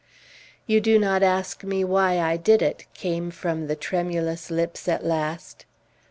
"You do not ask me why I did it," came from the tremulous lips at last.